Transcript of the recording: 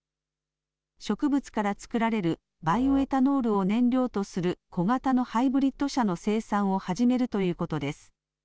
植物から作られるバイオエタノールを燃料とする小型のハイブリッド車の生産を始めるということです。